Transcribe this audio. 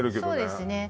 そうですね